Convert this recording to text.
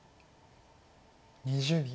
２０秒。